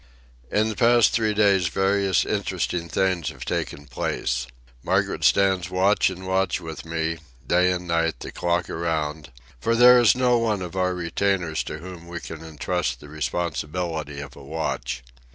In the past three days various interesting things have taken place. Margaret stands watch and watch with me, day and night, the clock around; for there is no one of our retainers to whom we can entrust the responsibility of a watch.